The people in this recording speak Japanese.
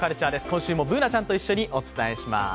今週もＢｏｏｎａちゃんと一緒にお伝えします。